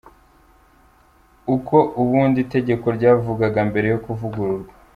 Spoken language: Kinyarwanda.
Uko ubundi itegeko ryavugaga mbere yo kuvugururwa.